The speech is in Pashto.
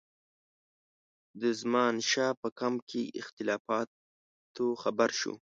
د زمانشاه په کمپ کې اختلافاتو خبر شو.